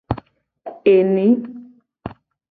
Eni.